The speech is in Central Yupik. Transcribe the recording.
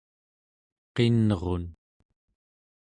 qinrun